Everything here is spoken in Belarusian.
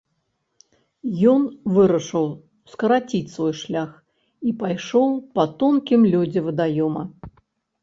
Ён вырашыў скараціць свой шлях і пайшоў па тонкім лёдзе вадаёма.